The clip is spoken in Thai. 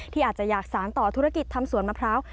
ที่อาจจะอยากสารต่อธุรกิจทำสวนมะพร้าว